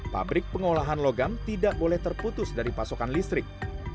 pabrik pengolahan logam tidak boleh terputus dari pasokan listrik